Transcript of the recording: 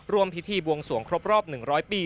ร่วมพิธีบวงสวงครบรอบ๑๐๐ปี